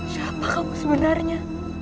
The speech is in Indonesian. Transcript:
siapa kamu sebenarnya